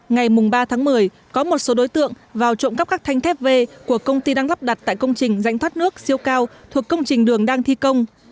ngày ba tháng một mươi có một số đối tượng vào trộm cắp các thanh thép v của công ty đang lắp đặt tại công trình rãnh thoát nước siêu cao thuộc công trình đường đang thi công